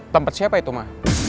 tempet siapa itu ma